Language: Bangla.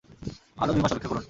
আরও দুই মাস অপেক্ষা করুন।